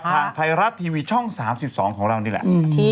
ทางไทยรัฐทีวีช่อง๓๒ของเรานี่แหละ